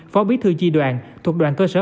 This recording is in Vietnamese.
phó bí thư chi đoàn thuộc đoàn cơ sở